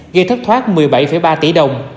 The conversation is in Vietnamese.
gây thất thoát một mươi bảy ba tỷ đồng